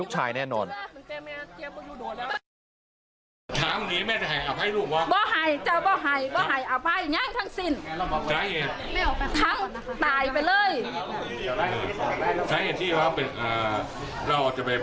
ใช้อย่างที่ว่าเป็นอ่าเราอาจจะไปประกันตัวลูกว่า